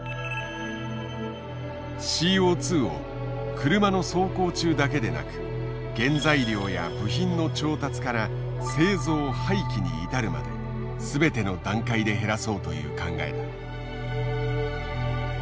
ＣＯを車の走行中だけでなく原材料や部品の調達から製造・廃棄に至るまで全ての段階で減らそうという考えだ。